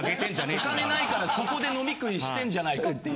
お金ないからそこで飲み食いしてんじゃないかっていう。